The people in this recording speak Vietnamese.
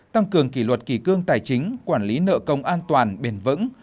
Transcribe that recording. tăng cường kỷ luật kỳ cương tài chính quản lý nợ công an toàn bền vững